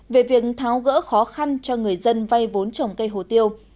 về việc tháo gỡ khó khăn cho người dân vay vốn trồng cây hồ tiêu